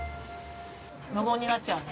無言になっちゃうね。